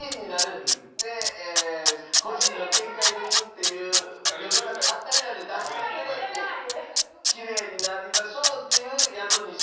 で「個人の見解です」っていう世の中ハッタリなんで出して頂いてきれいになりましょうっていう宿にしてはいかがでしょうか？